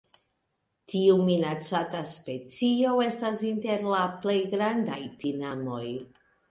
Tiu minacata specio estas inter la plej grandaj tinamoj.